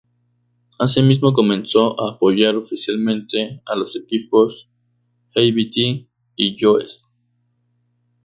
Asimismo, comenzó a apoyar oficialmente a los equipos Abt y Joest.